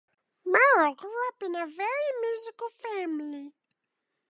Murrel grew up in a very musical family.